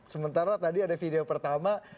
sementara tadi ada video pertama